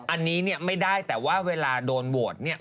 อันนี้เนี่ยไม่ได้แต่ว่าเวลาโดนโหวตเนี่ย